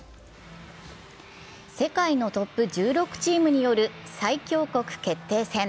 世界のトップ１６チームによる最強国決定戦。